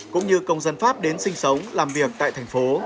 cũng như công dân pháp đến sinh sống làm việc tại thành phố